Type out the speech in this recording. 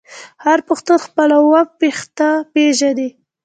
هر پښتون خپل اوه پيښته پیژني.